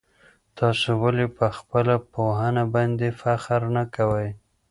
تاسو ولي په خپله پوهنه باندي فخر نه کوئ؟